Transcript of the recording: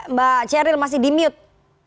mbak ceril masih di mute